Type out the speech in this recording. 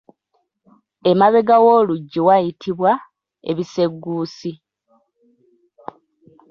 Emabega w’oluggi wayitibwa ebisegguusi.